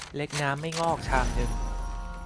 เล็กน้ำ ไม่งอก ชามนึง